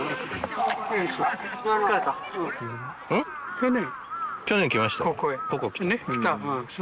去年？